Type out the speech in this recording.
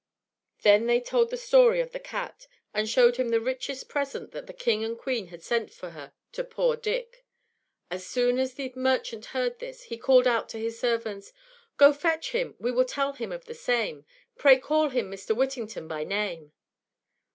They then told the story of the cat, and showed the rich present that the king and queen had sent for her to poor Dick. As soon as the merchant heard this, he called out to his servants, "Go fetch him we will tell him of the same; Pray call him Mr. Whittington by name."